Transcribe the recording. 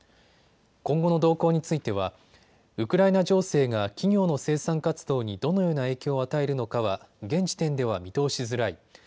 今後の動向についてはウクライナ情勢が企業の生産活動にどのような影響を与えるのかは現時点では見通しづらい。